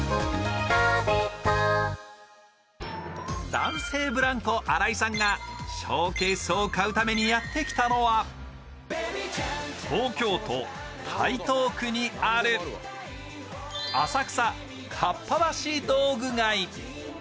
男性ブランコ・新井さんがショーケースを買うためにやってきたのは東京都台東区にある浅草かっぱ橋道具街。